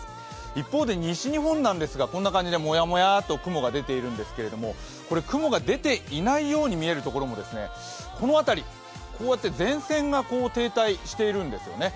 一方で西日本なんですが、もやもやと雲が出ているんですけれども、これ雲が出ていないように見えるところでも、この辺り、こうやって前線が停滞しているんですよね。